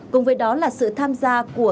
cùng với đó là sự tham dự